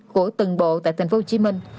của từng bộ tại thành phố hồ chí minh